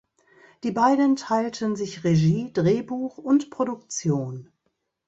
Die beiden teilten sich Regie, Drehbuch und Produktion.